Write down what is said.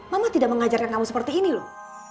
mama tidak mengajarkan kamu seperti ini loh